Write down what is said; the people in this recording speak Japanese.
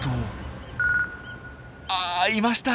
あいました！